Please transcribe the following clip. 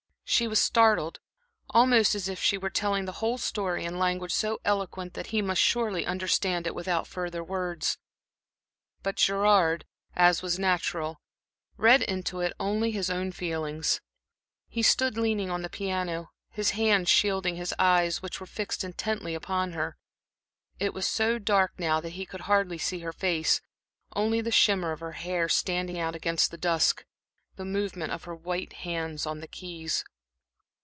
She was startled, almost as if she were telling the whole story in language so eloquent that he must surely understand it without further words. But Gerard, as was natural, read into it only his own feelings. He stood leaning on the piano, his hand shielding his eyes, which were fixed intently upon her. It was so dark now that he could hardly see her face, only the shimmer of her hair standing out against the dusk, the movement of her white hands on the keys.